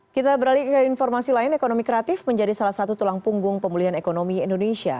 kita beralih ke informasi lain ekonomi kreatif menjadi salah satu tulang punggung pemulihan ekonomi indonesia